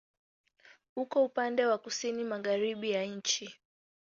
Uko upande wa kusini-magharibi ya nchi.